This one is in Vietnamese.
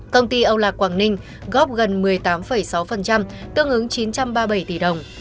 công ty âu lạc quảng ninh góp gần một mươi tám sáu tương ứng chín trăm ba mươi bảy tỷ đồng